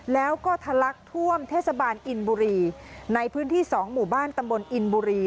แล้วก็ทะลักท่วมเทศบาลอินบุรีในพื้นที่๒หมู่บ้านตำบลอินบุรี